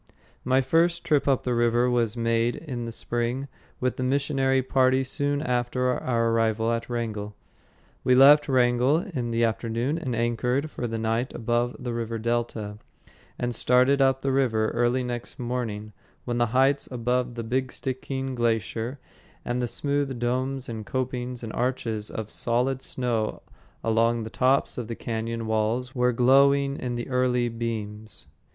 My first trip up the river was made in the spring with the missionary party soon after our arrival at Wrangell. We left Wrangell in the afternoon and anchored for the night above the river delta, and started up the river early next morning when the heights above the "Big Stickeen" Glacier and the smooth domes and copings and arches of solid snow along the tops of the cañon walls were glowing in the early beams.